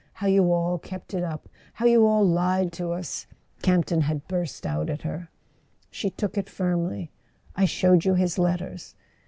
How you all kept it up—how you all lied to us!" Campton had burst out at her. She took it firmly. "I showed you his letters."